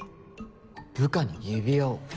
部下に指輪を？